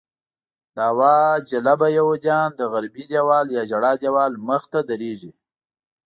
دعوه جلبه یهودیان د غربي دیوال یا ژړا دیوال مخې ته درېږي.